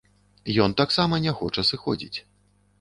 Ён таксама не хоча сыходзіць.